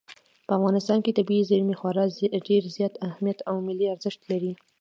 په افغانستان کې طبیعي زیرمې خورا ډېر زیات اهمیت او ملي ارزښت لري.